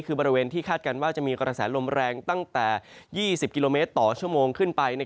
คือบริเวณที่คาดการณ์ว่าจะมีกระแสลมแรงตั้งแต่๒๐กิโลเมตรต่อชั่วโมงขึ้นไป